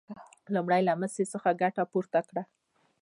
لومړی یې له مسو څخه ګټه پورته کړه.